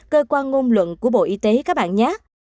cơ quan ngôn luận của bộ y tế các bạn nhát